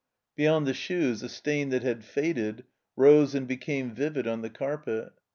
Beyond the shoes, a stain that had faded rose and became vivid on the carpet.